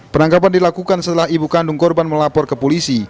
penangkapan dilakukan setelah ibu kandung korban melapor ke polisi